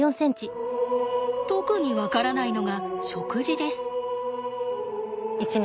特に分からないのが食事です。